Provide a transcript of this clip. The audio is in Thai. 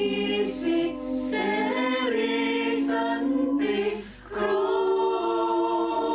มีสิทธิ์เสร็จสันติโครงเมือง